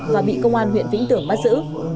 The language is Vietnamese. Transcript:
và bị công an huyện vĩnh tưởng bắt giữ